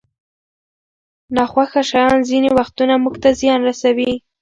ناخوښه شیان ځینې وختونه موږ ته زیان رسوي.